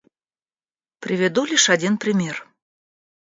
Приведу лишь один пример.